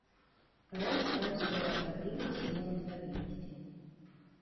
Кароль стаў своеасаблівым сімвалам стабільнасці.